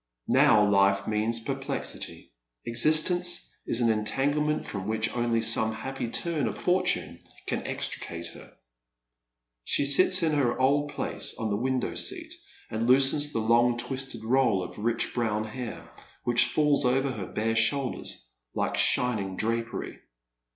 Now life means perplexity. Existence is an entanglement from which only some happy turn of fortune can extricate her. She sits in her old place on the window seat, and loosens the long twisted roll of rich brown hair, which falls over her bare shoulders like shining drapery.